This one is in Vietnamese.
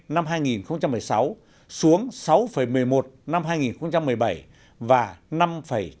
năm hai nghìn một mươi sáu xuống sáu một mươi một năm hai nghìn một mươi bảy và năm chín mươi bảy năm hai nghìn một mươi tám